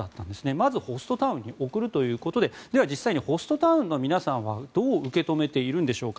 まずホストタウンに送るということででは、実際にホストタウンの皆さんはどう受け止めているんでしょうか。